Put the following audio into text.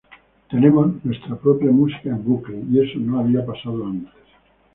Tenemos nuestra propia música en bucle y eso no había pasado antes.